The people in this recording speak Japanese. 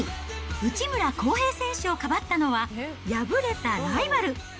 内村航平選手をかばったのは敗れたライバル！